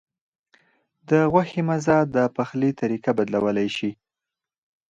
د غوښې مزه د پخلي طریقه بدلولی شي.